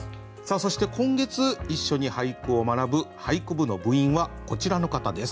そして今月一緒に俳句を学ぶ「俳句部」の部員はこちらの方です。